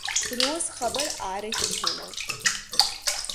روز خبر آرہی ہونا